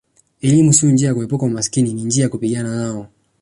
Elimu sio njia ya kuepuka umaskini ni njia ya kupigana nao